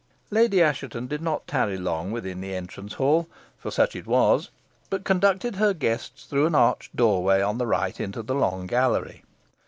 Lady Assheton did not tarry long within the entrance hall, for such it was, but conducted her guests through an arched doorway on the right into the long gallery.